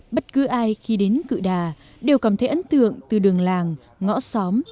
bất cứ ai khi đến cự đà đều cảm thấy ấn tượng từ đường làng ngõ xóm